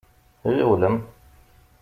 Ɣiwlem!